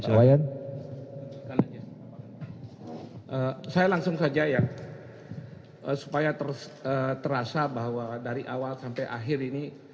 saya langsung saja ya supaya terasa bahwa dari awal sampai akhir ini